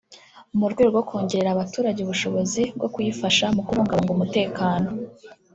mu rwego rwo kongerera abaturage ubushobozi bwo kuyifasha mu kubungabunga umutekano